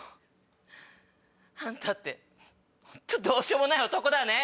あんたって本当どうしようもない男だね。